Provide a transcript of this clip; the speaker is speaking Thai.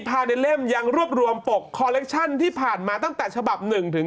พาเดนเล่มยังรวบรวมปกคอลเลคชั่นที่ผ่านมาตั้งแต่ฉบับ๑๙๙